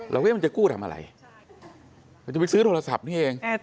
มันจะกู้ทำอะไรมันจะไปซื้อโทรศัพท์นี้เอง